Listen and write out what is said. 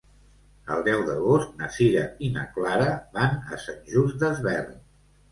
El deu d'agost na Sira i na Clara van a Sant Just Desvern.